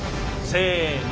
せの。